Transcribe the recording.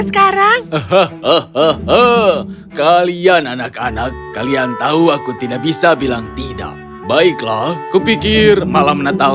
sekarang kalian anak anak kalian tahu aku tidak bisa bilang tidak baiklah kupikir malam natal